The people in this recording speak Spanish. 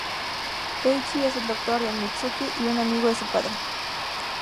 Keiichi es el doctor de Mitsuki y un amigo de su padre.